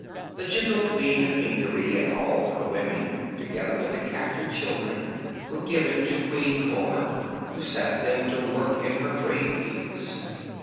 The gentle Queen of Pingaree and all her women, together with the captured children, were given to Queen Cor, who set them to work in her grain fields.